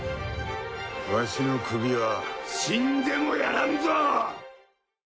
わしの首は死んでもやらんぞ！